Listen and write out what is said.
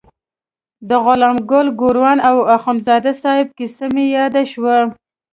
د غلام ګل ګوروان او اخندزاده صاحب کیسه مې یاده شوه.